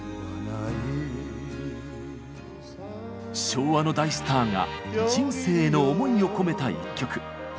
昭和の大スターが人生への思いを込めた一曲。